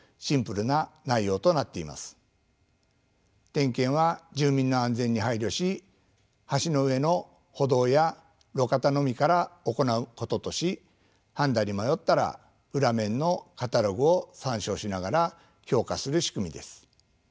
点検は住民の安全に配慮し橋の上の歩道や路肩のみから行うこととし判断に迷ったら裏面のカタログを参照しながら評価する仕組みです。